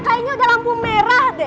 kayaknya udah lampu merah deh